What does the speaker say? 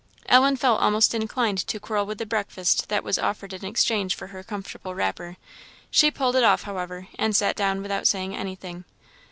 Ellen felt almost inclined to quarrel with the breakfast that was offered in exchange for her comfortable wrapper; she pulled it off, however, and sat down without saying anything.